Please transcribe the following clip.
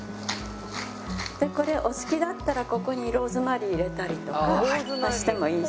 でこれお好きだったらここにローズマリー入れたりとかしてもいいし。